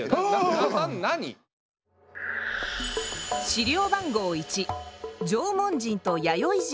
資料番号